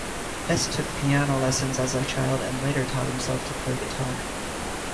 Hest took piano lessons as a child and later taught himself to play guitar.